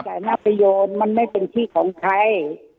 ชี้แสน่ะประโยชน์มันไม่เป็นชี้ของใคร